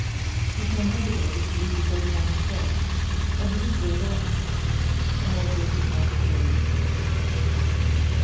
"We shall never be able to leave the boat by herself. I believe we're watched," and I related my experience.